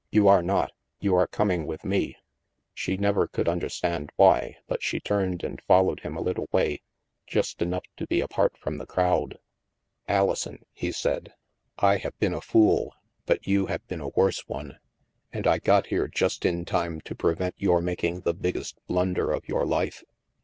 You are not. You are coming with me." She never could understand why, but she turned and followed him a little way, just enough to be apart from the crowd. " Alison," he said, " I have been a fool, but you have been a worse one. And I got here just in time to prevent your making the biggest blunder of your life."